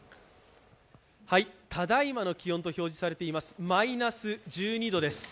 ただいまの気温と表示されています、マイナス１２度です。